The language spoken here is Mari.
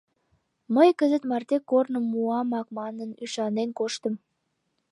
Мый кызыт марте корным муамак манын, ӱшанен коштым;